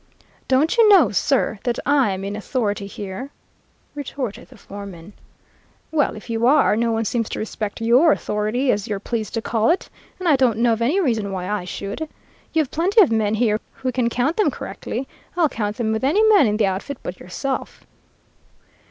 "'Don't you know, sir, that I'm in authority here?' retorted the foreman. "'Well, if you are, no one seems to respect your authority, as you're pleased to call it, and I don't know of any reason why I should. You have plenty of men here who can count them correctly. I'll count them with any man in the outfit but yourself.'